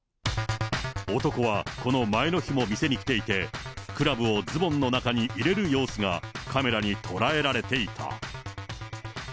男はこの前の日も店に来ていて、クラブをズボンの中に入れる様子がカメラに捉えられていた。